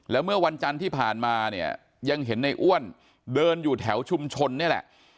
แล้วเมื่อวันจันทร์ที่ผ่านมาเนี่ยยังเห็นในอ้วนเดินอยู่แถวชุมชนนี่แหละ